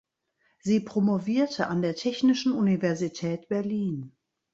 Sie promovierte an der Technischen Universität Berlin.